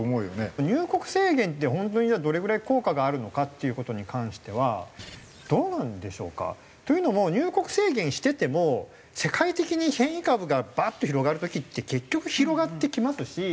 入国制限って本当にじゃあどれぐらい効果があるのかっていう事に関してはどうなんでしょうか？というのも入国制限してても世界的に変異株がバッて広がる時って結局広がってきますし。